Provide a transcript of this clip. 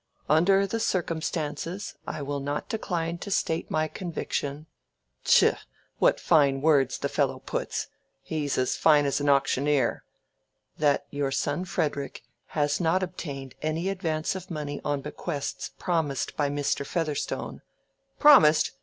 "Under the circumstances I will not decline to state my conviction—tchah! what fine words the fellow puts! He's as fine as an auctioneer—that your son Frederic has not obtained any advance of money on bequests promised by Mr. Featherstone—promised?